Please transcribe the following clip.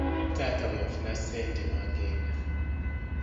Taata bwe yafuna ssente n'agenda.